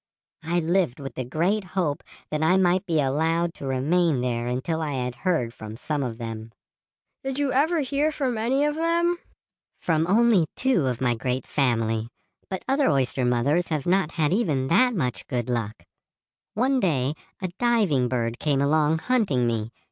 I lived with the great hope that I might be allowed to remain there until I had heard from some of them." "Did you ever hear from any of them?" "From only two of my great family, but other oyster mothers have not had even that much good luck. One day a diving bird came along hunting me.